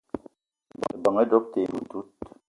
Ebeng doöb te mintout.